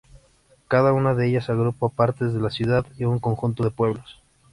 Cada una de ellas agrupa partes de la ciudad y un conjunto de pueblos.